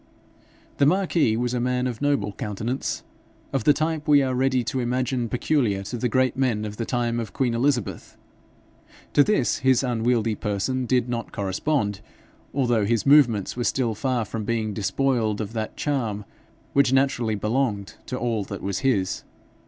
The marquis was a man of noble countenance, of the type we are ready to imagine peculiar to the great men of the time of queen Elizabeth. To this his unwieldy person did not correspond, although his movements were still far from being despoiled of that charm which naturally belonged to all that was his.